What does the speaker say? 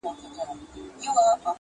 د زلمیو پاڅېدلو په اوږو کي!!